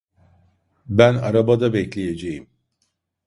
Ben arabada bekleyeceğim.